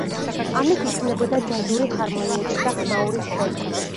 ამით იქმნებოდა ჯაზური ჰარმონიების და ხმაურის შერწყმა.